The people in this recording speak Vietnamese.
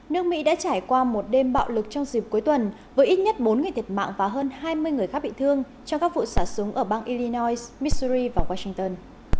nước mỹ đã trải qua một đêm bạo lực trong dịp cuối tuần với ít nhất bốn người thiệt mạng và hơn hai mươi người khác bị thương trong các vụ xả súng ở bang illinois mitsuri và washington